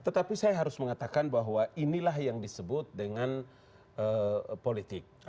tetapi saya harus mengatakan bahwa inilah yang disebut dengan politik